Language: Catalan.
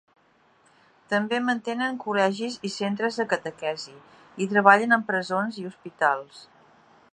També mantenen col·legis i centres de catequesi, i treballen en presons i hospitals.